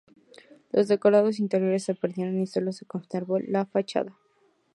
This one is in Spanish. Los decorados interiores se perdieron y solo se conservó la fachada.